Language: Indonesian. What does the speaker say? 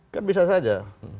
kan bisa saja